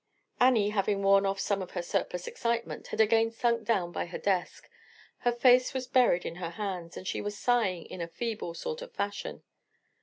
Annie, having worn off some of her surplus excitement, had again sunk down by her desk; her face was buried in her hands, and she was sighing in a feeble sort of fashion.